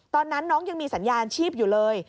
ตอนนั้นน้องยังมีสัญญาณชีพอยู่เลย